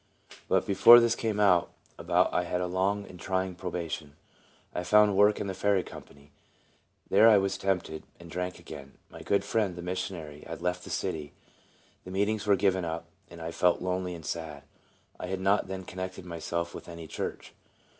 BUT before this came about I had a long and trying probation. I found work in the Ferry Company. There I was tempted, and drank again. My good friend, the mission ary, had left the city, the meetings were given up, and I felt lonely and sad. I had not then connected myself with any church.